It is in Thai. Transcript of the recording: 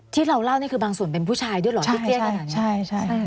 ที่เราเล่าเนี่ยคือบางส่วนเป็นผู้ชายด้วยเหรอของพิเศษขนาดอย่างงี้